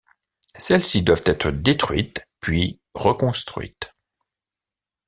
Celle-ci doivent être détruites puis reconstruites.